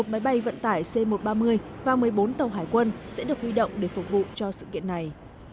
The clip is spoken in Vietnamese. một máy bay vận tải c một trăm ba mươi và một mươi bốn tàu hải quân sẽ được huy động để phục vụ cho sự kiện này